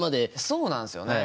そうなんすよね。